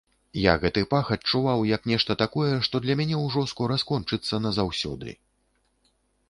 Я гэты пах адчуваў, як нешта такое, што для мяне ўжо скора скончыцца назаўсёды.